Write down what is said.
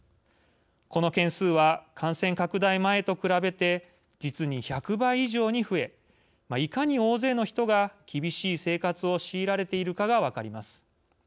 この件数は、感染拡大前と比べて実に１００倍以上に増えいかに大勢の人が厳しい生活を強いられているかが分かります。